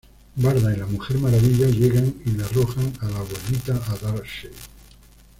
Barda y la Mujer Maravilla llegan y le arrojan a la Abuelita a Darkseid.